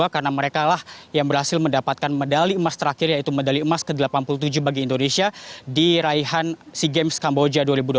karena mereka lah yang berhasil mendapatkan medali emas terakhir yaitu medali emas ke delapan puluh tujuh bagi indonesia di raihan sea games kamboja dua ribu dua puluh tiga